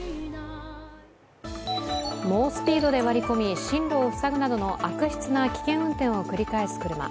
猛スピードで割り込み進路を塞ぐなどの悪質な危険運転を繰り返す車。